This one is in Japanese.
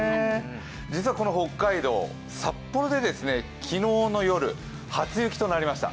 実はこの北海道、札幌で昨日の夜、初雪となりました。